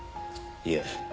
いえ。